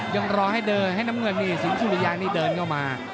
ยังรอให้เดินให้น้ำเงินนี่สินสุริยานี่เดินเข้ามา